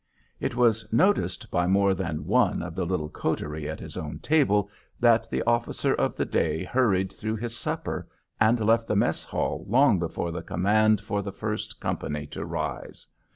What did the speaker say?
It was noticed by more than one of the little coterie at his own table that the officer of the day hurried through his supper and left the mess hall long before the command for the first company to rise.